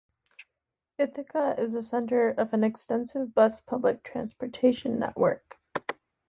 Ithaca is the center of an extensive bus public transportation network.